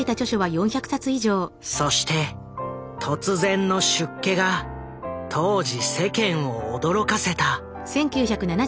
そして突然の出家が当時世間を驚かせた。